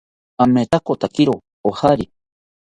Amitakotakiro ojari